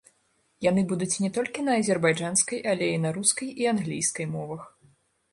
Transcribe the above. Яны будуць не толькі на азербайджанскай, але і на рускай і англійскай мовах.